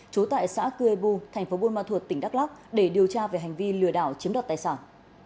trốn tại xã cư ê bu tp buôn ma thuột tỉnh đắk lắk để điều tra về hành vi lừa đảo chiếm đặt tài sản